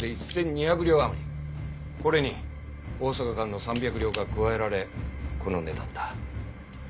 これに大阪間の３００両が加えられこの値段だ。